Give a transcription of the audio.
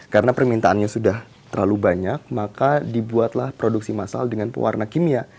karena permintaannya sudah terlalu banyak maka dibuatlah produksi masal dengan pewarna kimia